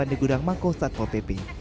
dipandai gudang mangkosat pol pp